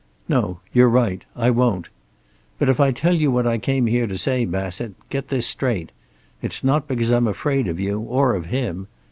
"No. You're right. I won't. But if I tell you what I came here to say, Bassett, get this straight. It's not because I'm afraid of you, or of him.